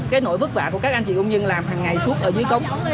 cái nỗi vất vả của các anh chị công nhân làm hàng ngày suốt ở dưới cống